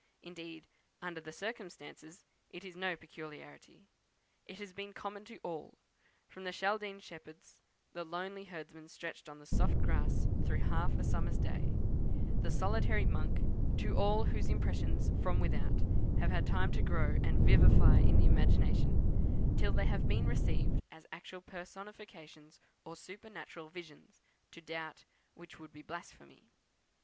Indeed, under the circumstances, it is no peculiarity. It has been common to all, from the Chaldean shepherds "the lonely herdsman stretched on the soft grass through half a summer's day" the solitary monk to all whose impressions from without have had time to grow and vivify in the imagination, till they have been received as actual personifications, or supernatural visions, to doubt which would be blasphemy.